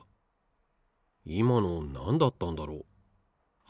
いまのなんだったんだろう？